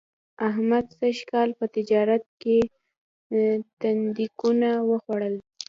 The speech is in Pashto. احمد سږ کال په تجارت کې تیندکونه و خوړل